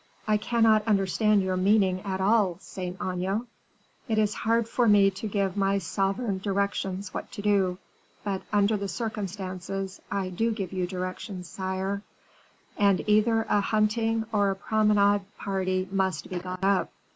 "I cannot understand your meaning at all, Saint Aignan." "It is hard for me to give my sovereign directions what to do; but under the circumstances I do give you directions, sire; and either a hunting or a promenade party must be got up."